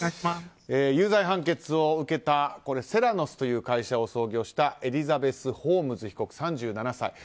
有罪判決を受けたセラノスという会社を創業したエリザベス・ホームズ被告３７歳。